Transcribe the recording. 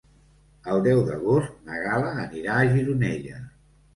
El deu d'agost na Gal·la anirà a Gironella.